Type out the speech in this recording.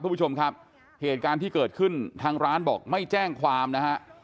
คุณผู้ชมครับเหตุการณ์ที่เกิดขึ้นทางร้านบอกไม่แจ้งความนะฮะ